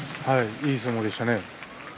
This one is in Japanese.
いい相撲でしたね。